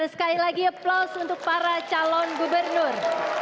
sekali lagi aplaus untuk para calon gubernur